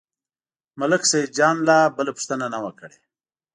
ملک سیدجان لا بله پوښتنه نه وه کړې.